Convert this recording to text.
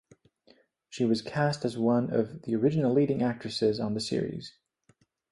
She was cast as one of the original leading actresses on the series.